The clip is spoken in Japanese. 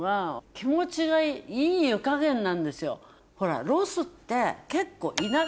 ほら。